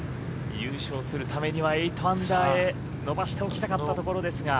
優勝するためには８アンダーへ伸ばしておきたかったところですが。